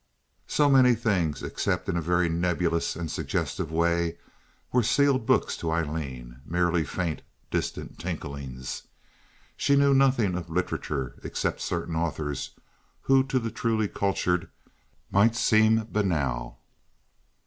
So many things, except in a very nebulous and suggestive way, were sealed books to Aileen—merely faint, distant tinklings. She knew nothing of literature except certain authors who to the truly cultured might seem banal.